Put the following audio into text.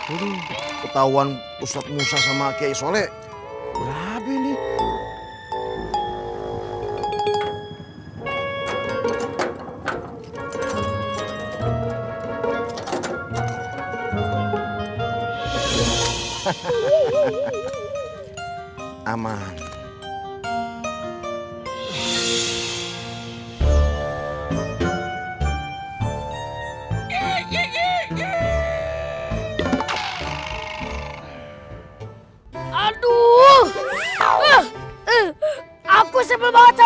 ini ketahuan ustadz musa sama aqiyah yusole